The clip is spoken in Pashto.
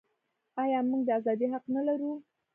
آیا موږ د ازادۍ حق نلرو؟